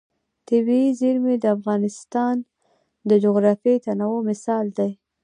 طبیعي زیرمې د افغانستان د جغرافیوي تنوع مثال دی.